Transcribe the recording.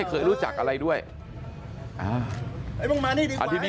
คุณ่